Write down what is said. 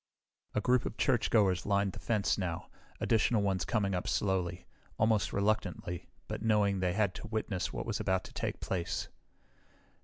A group of churchgoers lined the fence now, additional ones coming up slowly, almost reluctantly, but knowing they had to witness what was about to take place.